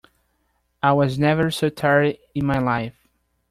I was never so tired in my life.